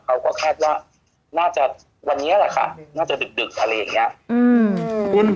เขาก็คาดว่าน่าจะวันนี้แหละค่ะน่าจะดึกอะไรอย่างนี้